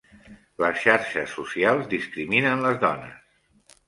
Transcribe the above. Les xarxes socials discriminen les dones.